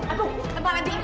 aduh kenapa jadi begini